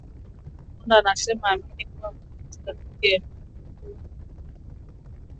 Monda anasema haamini kuwa vurugu zitatokea